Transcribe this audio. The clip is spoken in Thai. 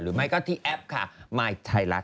หรือไม่ก็ที่แอปค่ะไมค์ไทรรัตฯ